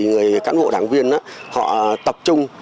người cán bộ đảng viên họ tập trung